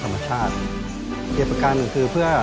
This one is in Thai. ไปดูกันค่ะว่าหน้าตาของเจ้าปาการังอ่อนนั้นจะเป็นแบบไหน